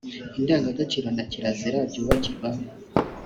indangagaciro na kirazira byubakirwaho